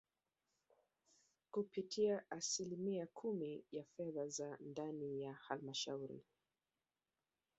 kupitia asilimia kumi ya fedha za ndani za Halmashauri